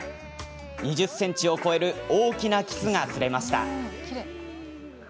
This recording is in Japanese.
２０ｃｍを超える大きなキスが釣れました。